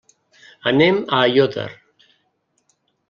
Anem a Aiòder.